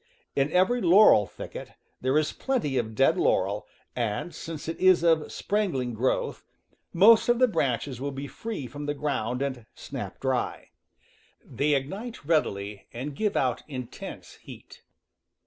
In every laurel thicket there is plenty of dead laurel, and, since it is of sprangling growth, most of the branches will be free from the ground and snap dry. They ignite readily and give out intense heat.